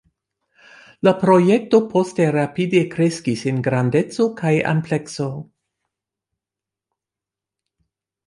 La projekto poste rapide kreskis en grandeco kaj amplekso.